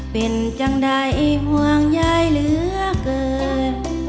เป็นจังใดห่วงยายเหลือเกิน